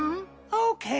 オーケー。